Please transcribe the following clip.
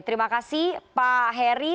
terima kasih pak heri